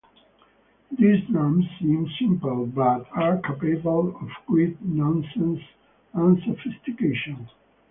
These drums seem simple, but are capable of great nuance and sophistication.